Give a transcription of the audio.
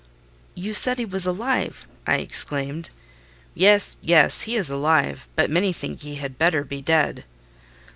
"You said he was alive?" I exclaimed. "Yes, yes: he is alive; but many think he had better be dead."